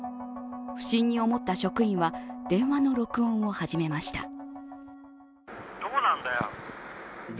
不審に思った職員は電話の録音を始めました。